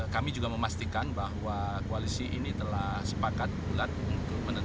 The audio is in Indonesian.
kami juga memastikan bahwa koalisi ini telah sepakat bulat untuk menentukan